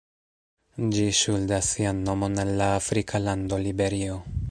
Ĝi ŝuldas sian nomon al la afrika lando Liberio.